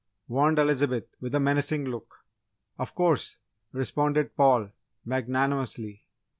warned Elizabeth, with a menacing look. "Of course!" responded Paul, magnanimously.